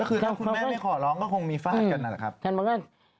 คือถ้าคุณแม่ไม่ขอร้องก็คงมีฟาดกันนั่นแหละครับ